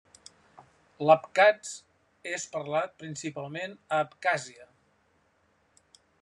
L'abkhaz és parlat principalment a Abkhàzia.